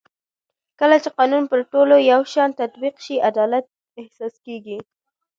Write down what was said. کله چې قانون پر ټولو یو شان تطبیق شي عدالت احساس کېږي